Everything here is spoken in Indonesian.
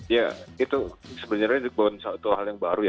ya itu sebenarnya itu hal yang baru ya